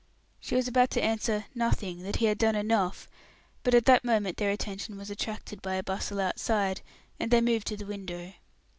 She was about to answer "Nothing that he had done enough," but at that moment their attention was attracted by a bustle outside, and they moved to the window.